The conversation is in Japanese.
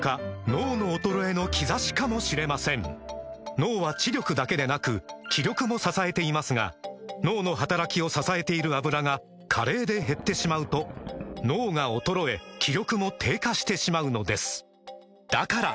脳の衰えの兆しかもしれません脳は知力だけでなく気力も支えていますが脳の働きを支えている「アブラ」が加齢で減ってしまうと脳が衰え気力も低下してしまうのですだから！